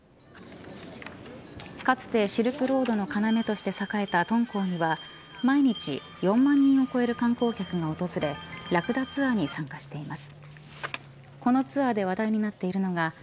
かつてシルクロードの要として栄えた敦煌には毎日４万人を超える観光客が訪れラクダツアーに参加しています。